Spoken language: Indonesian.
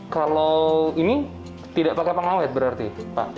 kalau ini tidak pakai pengawet berarti pak